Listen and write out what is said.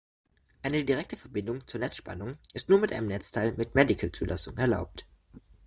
Eine direkte Verbindung zur Netzspannung ist nur mit einem Netzteil mit "medical" Zulassung erlaubt.